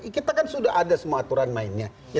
kita kan sudah ada semua aturan mainnya